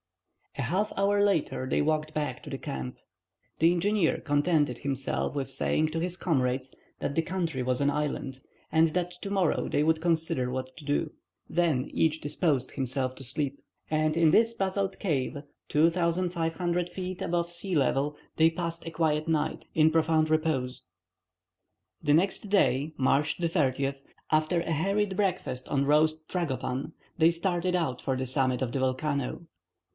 A half hour later they walked back to the camp. The engineer contented himself with saying to his comrades that the country was an island, and that to morrow they would consider what to do. Then each disposed himself to sleep, and in this basalt cave, 2,500 feet above sea level, they passed a quiet night in profound repose. The next day, March 30, after a hurried breakfast on roast trajopan, they started out for the summit of the volcano.